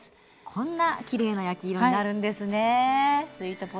こんなきれいな焼き色になるんですね。